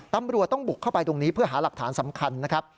ตำรวจต้องบุกเข้าไปตรงนี้เพื่อหาหลักฐานสำคัญนะครับ